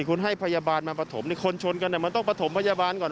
คุณให้พยาบาลมาประถมคนชนกันมันต้องประถมพยาบาลก่อน